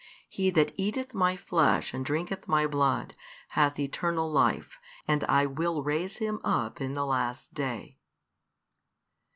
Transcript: He that eateth My Flesh and drinketh My Blood, hath eternal life; and I will raise him up in the last day.